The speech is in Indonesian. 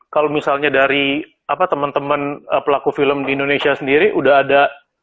kalau misalnya dari teman teman pelaku film di indonesia sendiri udah ada